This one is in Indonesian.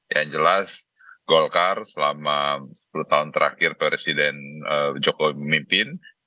yang jelas golkar selama sepuluh tahun terakhir presiden jokowi memimpin